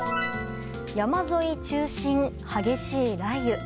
山沿い中心、激しい雷雨。